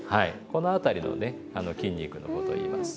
この辺りのね筋肉のことをいいます。